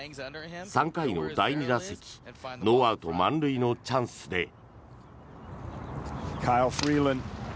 ３回の第２打席ノーアウト満塁のチャンスで。